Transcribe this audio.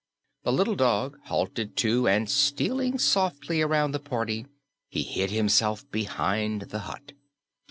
The little dog halted, too, and stealing softly around the party, he hid himself behind the hut.